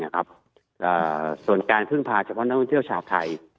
ส่วนการพึ่งพาเฉพาะนักท่องเที่ยวชาวไทย